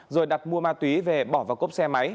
rồi đặt mua ma túy về bỏ vào cốp xe máy